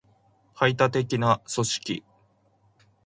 排他的な組織